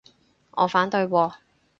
我反對喎